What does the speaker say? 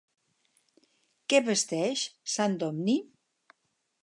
Què vesteix Sant Domní?